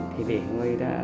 thì để người thợ